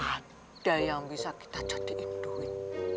ada yang bisa kita jadiin duit